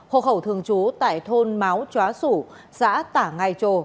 học hậu thường trú tại thôn máu chóa sủ giã tả ngài trồ